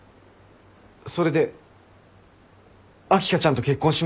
それで秋香ちゃんと結婚します。